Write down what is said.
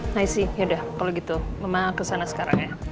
masih yaudah kalau gitu mama kesana sekarang ya